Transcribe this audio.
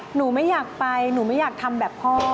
หนูไม่อยากไปหนูไม่อยากทำแบบพ่อ